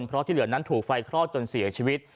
เพราะที่เหลือนั้นถูกไฟคลอกจนเสียชีวิต